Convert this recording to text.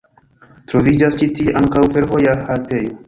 Troviĝas ĉi tie ankaŭ fervoja haltejo.